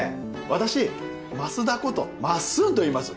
私増田ことマッスンといいます。